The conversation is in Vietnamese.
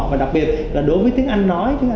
và đặc biệt là đối với tiếng anh là một trường hợp